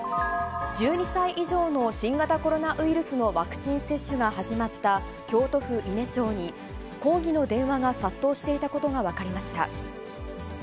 １２歳以上の新型コロナウイルスのワクチン接種が始まった京都府伊根町に、抗議の電話が殺到していたことが分かりました。